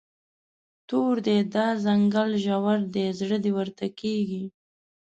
تور دی، دا ځنګل ژور دی، زړه دې ورته کیږي